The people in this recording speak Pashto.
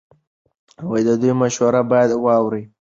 د دوی مشورې باید واورئ.